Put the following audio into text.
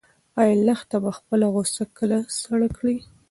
ایا لښته به خپله غوسه کله سړه کړي؟